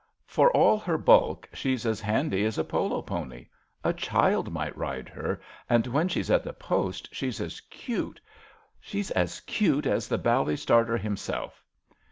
^^ For all her bulk, she's as handy as a polo pony; a child might ride her, and when she's at the post she's as cute — she's as cute as the bally starter himself."